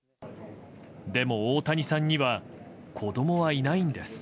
でも、大谷さんには子供はいないんです。